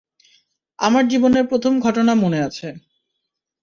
আমার জীবনের প্রথম ঘটনা মনে আছে।